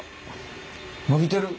伸びてる。